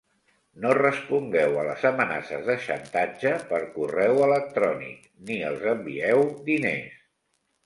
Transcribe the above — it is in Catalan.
No respongueu a les amenaces de xantatge per correu electrònic ni els envieu diners.